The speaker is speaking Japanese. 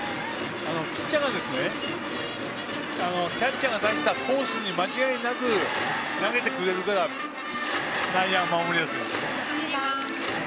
ピッチャーはキャッチャーがコースにち間違いなく投げてくれるから内野は守りやすいんです。